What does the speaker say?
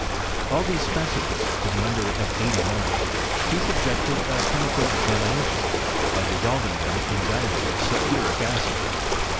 All these spect mens, to the number of eighty nine, he subjected to a chemical examination, by dissolving them in dilute sulphuric acid.